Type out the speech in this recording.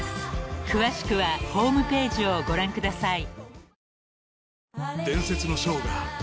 ［詳しくはホームページをご覧ください］